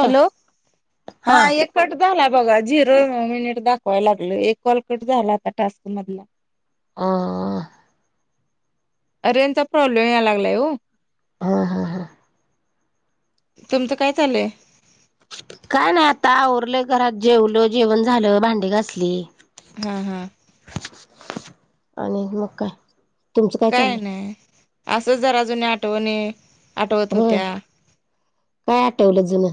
Hello! हा एक फट झाला बघा झिरो मिनिट दाखवाय लागलं एक कॉलकट झाला आता टास्क मधला. आह. रेंजचा प्रॉब्लेम या लागलाय हो. हा हा हा. तुमचं काय चाललय? काय नाही आता आवरलं घरात जेवलो. जेवण झालं, भांडी घासली. हा हा आणि मग काय? तुमचं काय चाललंय नाही असं जरा जुनी आठवणी आठवत होय होत्या. काय आठवलं जुनं?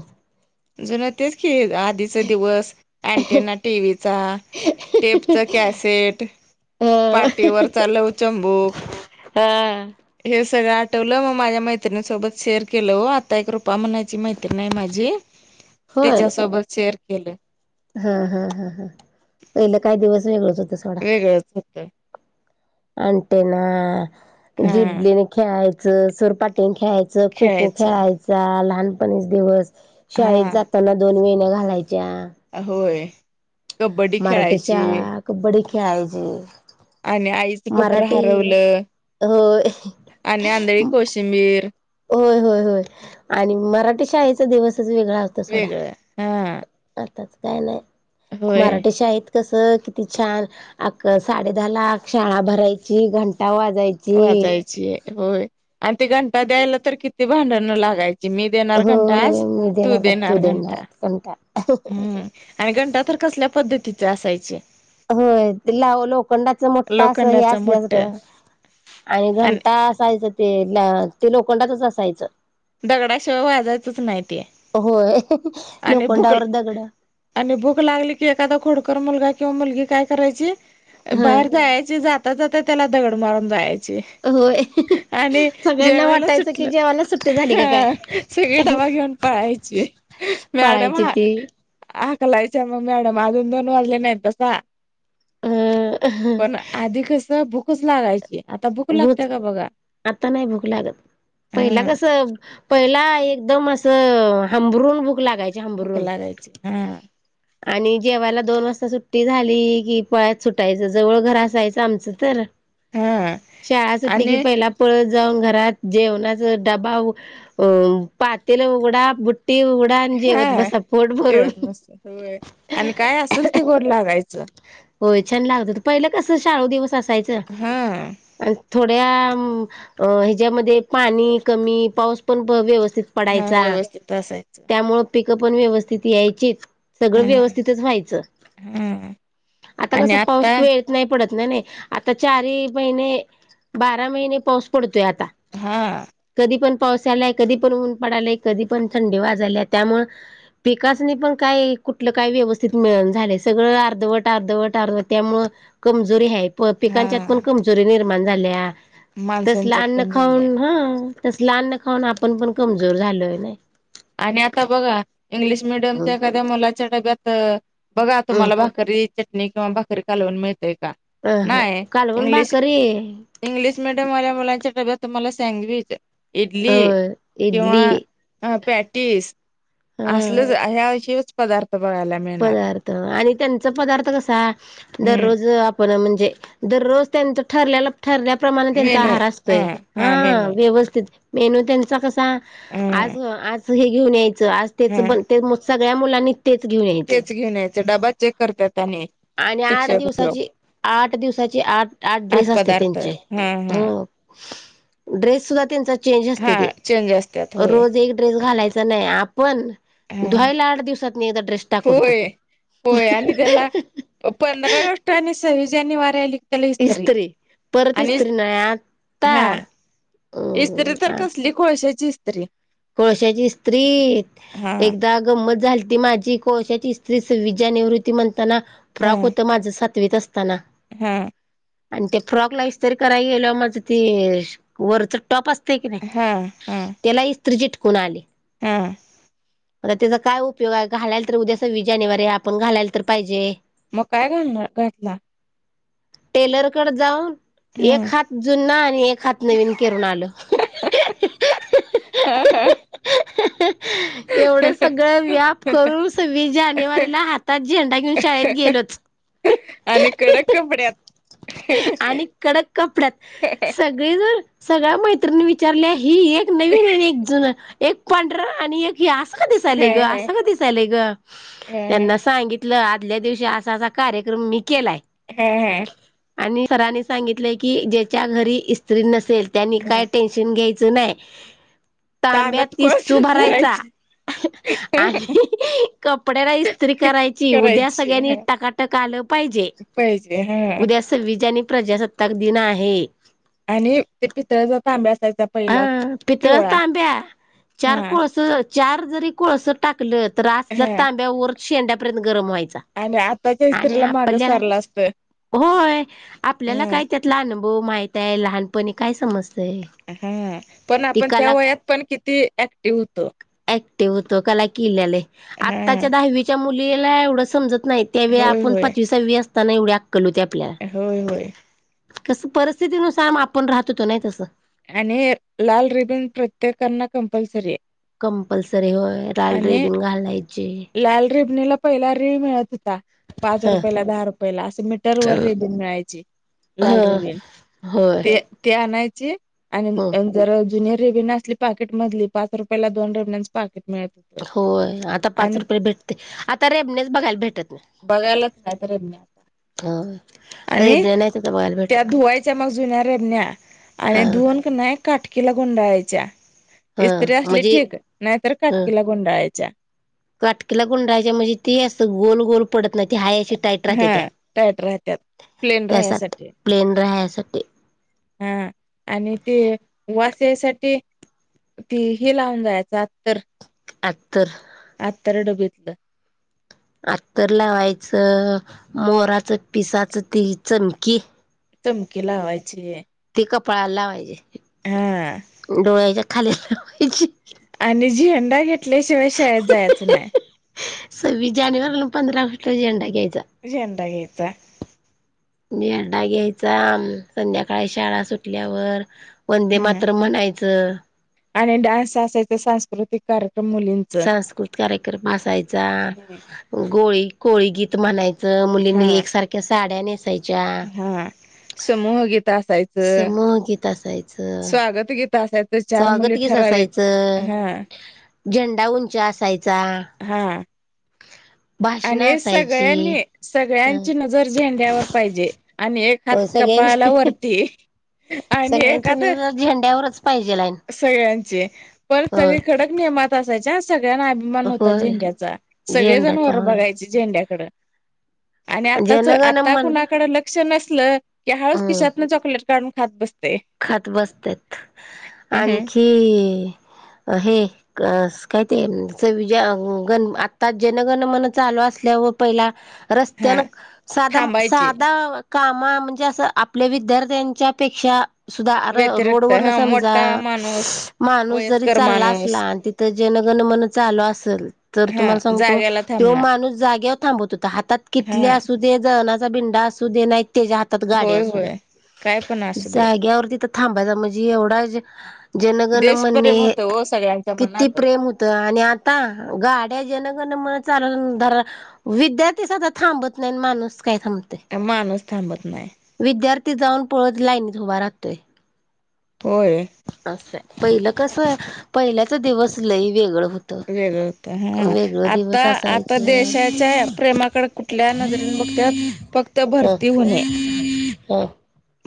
जुनं तेच की, आधीचा दिवस, अँटीना टीव्हीचा. टेपच कॅसेट,, अ पाटीवरचा लवचंबुक ह, हे सगळं आठवलं, मग माझ्या मैत्रिणीसोबत शेअर केलं ओ. आता एक रुप रूपा म्हणायची मैत्रीन आहे माझी. तीच्यासोबत शेअर केल. हां हां हां हां. पहिलं काय दिवस वेगळंच होत सोडा. वेगळंच होत अँटीना, हा जिबलीने खेळायच, सुरपाटीन खे खेळायच, खो खो खेळायचं खेळायचा, लहानपणीच दिवस शाळेत हा जाताना दोन वेन्या होय. कबड्डी मराठी खेळायची शाळा, कबड्डी खेळायची. आणि आईचं पत्र मराठी हरवलं. होय आणि आंधळी कोशिंबीर. होय, होय, होय आणि मराठी शाळेचा दिवस तेव्हाच वेगळं होत सोडा. वेगळं हा आताच काय नाही. होय मराठी शाळेत कस, किती छान! आक साडे दहा ला शाळा भरायची, घं वाजायची. होय. आणि ते घंटा द्यायला तर किती भांडण लागायची. मी देणार घंटा आज, होय मी तू का देणार घंटा. देणार घंटा हं, आणि घंटा तर कसल्या पद्धतीचे असायचे. होय, ला लोखंडाच मोठा अस हे लोखंडाच मोठ असल्यागत. आणि घंटा असायच ते, ते लोखंडाचच असायचं. दगडाशिवाय वाजायचच नाही ते. होय आणि भुक, लोखंडावर दगड आणि भुक लागली की एखादा खोडकर मुलगा. किंवा मुलगी काय करायची, ह बाहेर जायची जाता, जात त्याला दगड मारून जायची. होय आणि सगळ्यांना जेवायला वाटायचं की सुटलं. जेवायला सुट्टी झाली का काय हा, सगळी डबा घेऊन पळायची, मॅडम. पळायची ती हाकलायच म मॅडम, अजून दोन वाजले नाहीय बसा. अ पण आधी कस, भूकच लागायची. आता भूक भूच, लागते का बघा आता नाही भूक लागत,, पहिला हा कस. पहिला एकदम अस हांबरून बु भुक लागायची भूक हांबरून. लागायची हा आणि जेवायला दोन वाजता सुट्टी झाली कि, पळत सुटायचं. जवळ घर असायचं आमचं तर. हं, शाळा सुटली की पहिला पळत न जाऊन घरात जेवणाचा डबा अ बू पातील उघडा ते उघडा, आणि जेवत हा बसा पोट जेवत भरून. मस्त होय आणि काय असेल ते गोड लागायचं होय, छान लागत, तर पहिलं कसं शाळू दिवस असायचं. हा थोड्या, ह्याच्यामध्ये पाणी कमी पाऊस पण व्यवस हा पडायचा, व्यवस्थित असायचं यामुळे पिक पण व्यवस्थित. यायचीच, सगळं हा व्यवस्थितच व्हायचं. हा आता कसं पाऊस बि येत नाही पडत नाही, आता चारी महिने, बारा महिने पाऊस पडतो. आता, हा कधी पण. पावस यालाय, कधी पण ऊन पडायलय, कधी पण थंडी वाजालीय, त्यामुळे पिकानी पण काय. कुठलं काय व्यवस्थित मिळना झालय, सगळं अर्धवट. टारधव, टार, त्यामुळ कमजोरी हाय, प पिकांच्यात हा पण कमजोरी निर्माण झाल्या. तसलं माणसांच्यात अन्न पण झाल्या खाऊन,,, हां. तसलं आन्न खाऊन आपण पण कमजोर झालोय नाई. आणि आता बघा, इंग्लिश मिीडियमच्या अ एखाद्या मुलाच्या डब्यात. बघा तुम्हाला भाकरी चटणी किंवा भाकरी कालवून मिळत्या. का, अ नाय, कालवण इंग्लिश भाकरी इंग्लिश मीड. मुलांच्या डब्यात तुम्हाला सँडविच, अ इडली इडली किंवा. पॅटस हा असल ह अ पदार्थ. बघायला मिळणार पदार्थ आणि त्यांचा पदार्थ कसा हम्म दररोज आपण म्हणजे. जे दररोज त्यांचं ठरलेला. ठरल्याप्रमाणे त्यांचा मेनू आहार हा असतोय हा मेनू व्यवस्थित मेनू त्यांचा कस. हा आज आज हे घेऊन यायचं आज तेच हा ब ते सगळ्या मुलांनी तेच घेऊन यायचं. तेच घेन यायचे डबा चेक करतायेत आणि. आणि आठ शिक्षक लोक दिवसाची आठ दिवसाची आठ आठ ड्रेस असते पदार्थ त्यांचे हा हो. [inaudible] ड्रेस सुद्धा त्यांचा चेंज असते हा ते चेंज असतात होय रोज एक ड्रेस घालाय. आपण हा ला आ दिवसात. ड्रेस टाकवतो होय होय आणि त्याला पंधरा गस्ट आणि सव्वीस जानेवारी आली. कस्तरी इस्त्री परत आणिज इस्त्री नाही आता हा. इस्त्री तर अ कसली कोळशाचीत. कोळशाची स्त्री हा एकदा गंमत झाली. माझी कोळशाची स्त्री स विज्या निवृत्ती म्हणताना हा फ्रॉक होत माझ सातवीत असताना. हा. आणि ते फ्रॉक लाईस तरी करायला गेल माझं ते वरच टॉप असते की नाही हा हा त्याला इ स्त्री चटकून आली. हा. मता त्याचा काय उपयोग आहे घालायला तर उद्या सव्वीस जानेवारी आपण घालायला तर पाहिजे. मग काय घालणार घातला. टेलरकड जाऊन. हा एक हात जुना आणि एक हात नवीन करून आल. हा हा. ह एवढं सगळं व्याप करून सव्वीस जानेवारीला हातात झेंडा घेऊन शाळेत गेलोच आणि कडक कपड्यात. आणि कडक कपड्यात सगळे जर सगळ्या माैती. विचारल्या ही एक नवीन एक ज एक पांढरा आणि एक. हे असं कधी हा लेय ग हा असं कधी लेय ग हा त्यांना सांगितलं. आदल्या दिवशी असा असा कार्यक्रम मी केलाय. हा ह. आणि सरांनी सांगितलं की ज्याच्या घरी स्त्री नसेल त्यांनी काय हा टेन्शन घ्यायच. नाही तांब्यात तानात तिस्तू कोळसा भरायचा. भरायची [unintelligible] आणि कपड्याला इस्त्री करायची उद्या करायची सगळ्यांनी ह टकाटक आलं पाहिजे. पाहिजे हा. वैज प्रजासत्ताक दिन आहे. आणि ते पितळ्याचा तांब्या असायचा पहिलं हा पितळ पिवळा. तांब्या चार हा कोळस चार जरी कोळस टाकलं तर असल्या हा तांब्या वर शेंड्यापर्यंत. गरम व्हायचा. आणि आताच्या आणि इत्रीला माग आपल्याला सारलं असतं. होय आपल्याला काय त्यातला अनुभव माहित आहे लहानपणी काय समज. हा पण आपण त्या वयात पण किती ऍक्टिव होतो. व किल्ल्या हा आता दहावीच्या मुलीला एवढं समजत नाही त्या व होय आपण होय पाचवीसावी असताना एवढे आक्कल होते आपल्याला. होय होय कसं परिस्थितीनुसार आपण राहत तो नाही तसं. आणि लाल रिबिन प्रत्येकना कंपल्सरी आहे. कंपल्सरी होय लाल आणि रीबिन घालाय. लाल रिबनीला पहिला रिळ मिळत होता. पाच ह रुपयाला दहा रुपयला असं मीटर वर रिबिन मिळायची लाल ह रिबीन. होय ते ते आणायच. आणि हो जर जुनियर रेवन्यू असली पाकेट मधली पाच रुपयाला दोन रेबनीच पाकेट. होय आता पाच रुपये भेटते आता रेबनेच बघायला भेट बघायलाच नाही तरीे मी आता. अरे ब्रेनत त त्या धुवायच्या मग जुन्या रेबण्या आणि हा धुवन का नाही. काटकीला गुंडाळायच्या हा इत्री असली म्हणजे ठीक नाहीतर काटकीला गुंडाळायच्या. काटकीेला गुंडायच्या म्हणजे ते असं गोल गोल पडत. हाय अशी टाईट राहते त्या हा टाईट राहत्यात प्लेन राहण्यासाठी प्लेन रा तेे. हा आणि ते वा. त्या साठी ते लावून जायच अत्तर. अतर. तेरा डबीेतलं आत् तरर लावायचं, मोराचं पिसाचं ती चमकी, चमकी लावायाची, ती कपाळाला लावाहि ची, हा डोळ्याच्या खाली लावायची, आणि झेंडा घेतल्याशिवाय शाळेत जायचं नाही. सवीस जानेवारी आणि, पंधरा ऑगस्ट ला झेंडा घ्यायचा, झेंडा घ्यायचा, मेरडा घ्यायचा संध्याकाळी शाळा सुटल्यावर, वंदे हा मात्र म्हणायचं. आणि डान्स असायच, सांस्कृतिक कार्य सांस्कृतिक कार्यक्रम अससायचा, गोळी कोळी गीत म्हणायचा. मुलीं हा एकसारख्या साड्या, नेसायच्या हा समूहगीत असायचं समोहगीत असायचं. स्वागत गीत असायचं चार स्वागत मुली गीस ठराविक असायचं हा झेंडा उंचा असायचा. ह. भाषण आणि असायची सगळ्यांनी ह सगळ्यांची नजर झेंड्यावर पाहिजे आणि एक हात कपाळाला सगळ्यां वरती. आणि सगळ्यांची एखाद नजर झेंड्यावरच. पाहिजे लाईन सगळ्यांचे पर होय सगळे खडक नियमात असायच्या. सगळ्यांना अभिमान होता होय झेंड्याचा सगळेजण झेंड्याचा वर होय बघायचे झेंड्याकड. आणि आताच जनगण आता मन कुणाकडे लक्ष नसल की हाळच हम्म किशातन चॉकलेट. काढून खात बसते, खात बसत आणखी हे, अ काय ते ज गण आता, जनगण मन चालू असल्या व पहिला. रस्त्यान हा साध थांबायची साध, काम म्हणजे असं, आपल्या विद्यार्थ्यांच्या पेक्षा, सुद्धा रोड व्यतिरिक्त वर न हा समजा, मोठा माणूस माणूस जरी वयस्कर चालला असला माणूस आणि तिथ, जगणनल असेल तर हा तुम्हाला जाग्याला सांगतो थांबणार माणूस जागावर, थांबत होता हातात कीटली हा असू दे, जणाचा भिंडा असू दे नाही त्याच्या हातात गाड होय अस द्या, होय काय पण असू दे थ थांबाचा म्हणजी एवढाच, जनगण देशप्रेम म्हणणे, होतं हो सगळ्यांच्या किती मनात प्रेम होत, आणि आता गाड्या जनगण म्ह, [unintelligible] विद्यार्थीसधा थांबत नाही माणूस काय थांबतोय, माणूस थांबत नाही विद्यार्थी जाऊन पळद लाईन धवा राहतोय, होय अस पहिलं. कसं आहे, पहिल्याच दिवस लय वेगळ वेगळ होत हा, आता आता असायचे देशाच्या प्रेमाकडे कुठल्या नजरेने, बतत फक्त ह भरती होणे, ह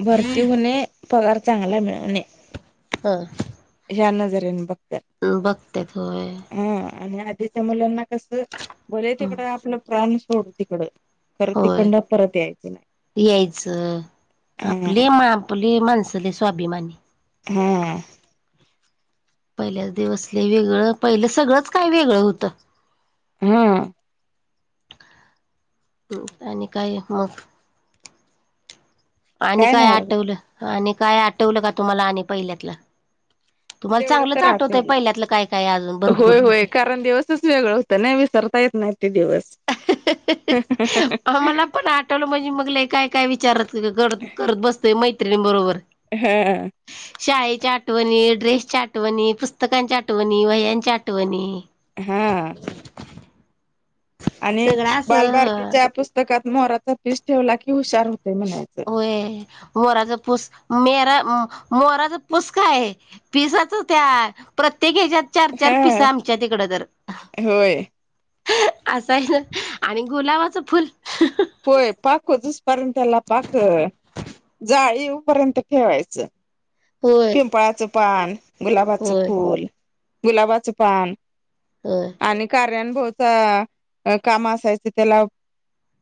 भरती होणे, पगार चांगला मिळणे. नजरे बघ, बघते होय, तिच्या मुलांना कसं बोले तिकडं आपलं प्राण सोडू तिकडं, खरं होय तिकडनं परत यायचं नाही यायचं, हा आपले मा आपली माणस, स्वाभिमानी, हा पहिल्याच दिवसले वेगळं पहिलं सगळंच काय वेगळं होतं हा ह् आणि काय मग आणि काय आठवलं आणि काय आठवलं का तुम्हाला आणि पहिल्यातलं तुम्हाला तेवढं चांगलंच तर राह आठवतय मला पहिल्यातलं काय काय अजून भरपूर होय, होय कारण दिवसच वेगळं होतं ना वि करता येत नाहीत मला पण आठवलं म्हणजे मगले काय काय विचार कर करत बसतय माहि तत्रीण बरोबर हा शाळेच्या आठवणी ड्रेसच्या आठवणी पुस्तकांच्या आठवणी वहया्यांच्या आठवणी हा आणि सगळं असं बालभारतीच्या पुस्तकात मोराचा पीस ठेवला की हुशार हो मोराचा पूस मेरा मोराचा पुसका आहे पिसाच त्या प्रत्य ते घ्याच्यात चार चार पिस हा आमच्या तिकडं तर होय असं आहे ना आणि गुलाबाचं फुल पय पाको दुस पर्ंतला पाक जाळीपर्यंत ठेवायचं. होय पिंपळाचं पान, गुलाबाचं होय फूल गुलाबाचं पान, ह नभव काम असायच त्याला,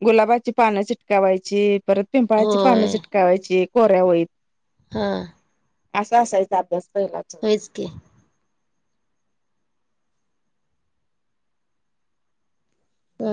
गुलाबाची पानं चिटकावायची परत पिंपळाची पानं होय चिटकावायची कोऱ्या होईत हा असं असायचा अभ्यास पहिलाचा. होईच की अ